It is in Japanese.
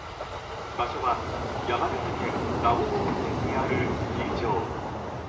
場所は、山形県蔵王温泉にあるスキー場。